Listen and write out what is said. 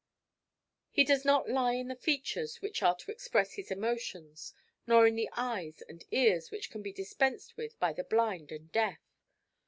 He does not lie in the features which are to express his emotions, nor in the eyes and ears which can be dispensed with by the blind and deaf.